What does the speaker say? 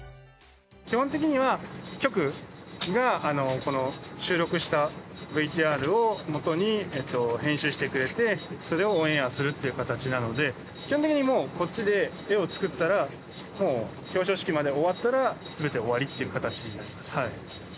基本的には局がこの収録したＶＴＲをもとに編集してくれてそれをオンエアするっていう形なので基本的にこっちで画を作ったらもう表彰式まで終わったら全て終わりっていう形になります。